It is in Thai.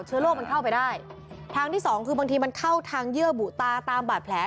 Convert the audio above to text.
เชื้อโรคมันเข้าไปได้ทางที่สองคือบางทีมันเข้าทางเยื่อบุตาตามบาดแผล